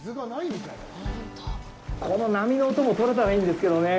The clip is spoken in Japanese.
この波の音も撮れたらいいんですけどね